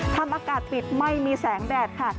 ทำอากาศปิดไม่มีแสงแดดค่ะ